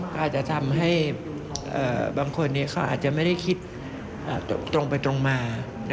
ก็จะทำให้บางคนเขาอาจจะไม่ได้คิดตรงมา